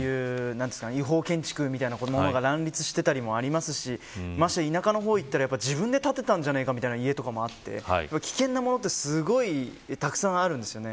違法建築のものが乱立していることもありますしまして田舎に行ったら自分で建てたんじゃないかという家もあって危険なものってすごいたくさんあるんですよね。